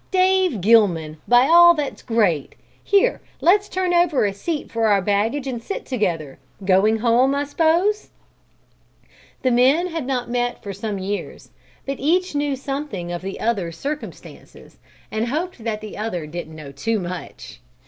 "Dave Gilman, by all that's great! Here, let's turn over a seat for our baggage and sit together. Going home, I s'pose?" The men had not met for some years, but each knew something of the other's circumstances and hoped that the other didn't know too much.